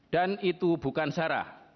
dan itu bukan sara